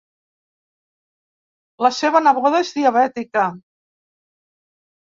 La seva neboda és diabètica.